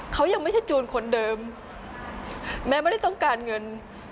เขายังไม่ใช่จูนคนเดิมแม้ไม่ได้ต้องการเงิน